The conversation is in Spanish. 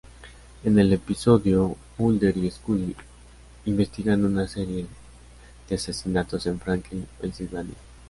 En el episodio, Mulder y Scully investigan una serie de asesinatos en Franklin, Pensilvania.